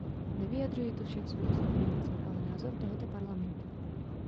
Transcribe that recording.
Nevyjadřuji tu však svůj osobní názor, ale názor tohoto Parlamentu.